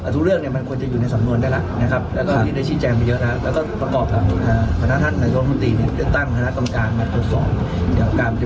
เจนี่มีตัวตนจริงไหมครับพี่